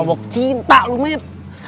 mabok cinta lu met